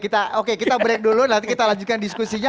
oke kita break dulu nanti kita lanjutkan diskusinya